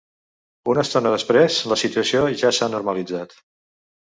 Una estona després, la situació ja s’ha normalitzat.